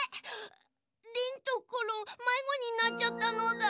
リンとコロンまいごになっちゃったのだ。